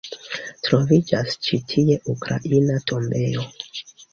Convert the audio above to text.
Troviĝas ĉi tie ukraina tombejo.